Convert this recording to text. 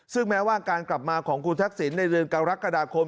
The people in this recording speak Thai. ซึ่งแม้ว่าการกลับมาของคุณทักษิณในเดือนกรกฎาคม